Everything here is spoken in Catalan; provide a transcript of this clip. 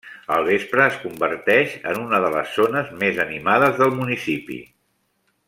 Al vespre, es converteix en una de les zones més animades del municipi.